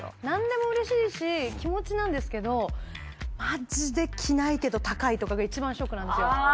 なんでもうれしいし気持ちなんですけどマジで着ないけど高いとかが一番ショックなんですよ。